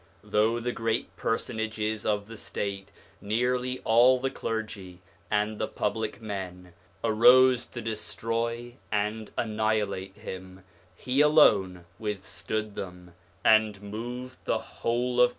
Though the great personages of the State, nearly all the clergy, and the public men, arose to destroy and annihilate him, he alone withstood them, and moved the whole of Persia.